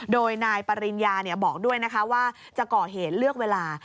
โดยนายปริญญาบอกด้วยนะคะว่าจะก่อเหตุเลือกเวลา